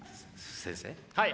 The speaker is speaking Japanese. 先生？